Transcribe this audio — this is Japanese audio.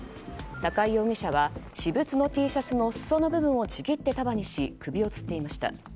高井容疑者は私物のＴシャツのすその部分をちぎって束にし、首をつっていました。